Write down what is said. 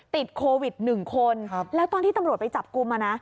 ติดโควิด๑คนแล้วตอนที่ตำรวจไปจับกลุ่มอ่ะนะ